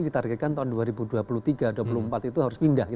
kita rekaikan tahun dua ribu dua puluh tiga dua ribu dua puluh empat itu harus pindah